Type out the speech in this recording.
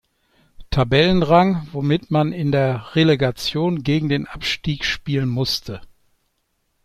Tabellenrang, womit man in der Relegation gegen den Abstieg spielen musste.